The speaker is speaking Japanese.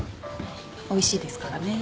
おいしいですからね。